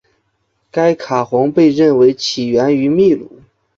该卡洪被认为起源于秘鲁。